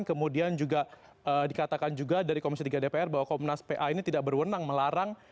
kemudian juga dikatakan juga dari komisi tiga dpr bahwa komnas pa ini tidak berwenang melarang